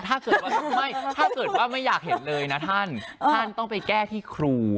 ถ้าเกิดว่าไม่ถ้าเกิดว่าไม่อยากเห็นเลยนะท่านท่านต้องไปแก้ที่ครู